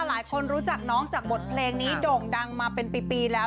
หลายคนรู้จักน้องจากบทเพลงนี้โด่งดังมาเป็นปีแล้ว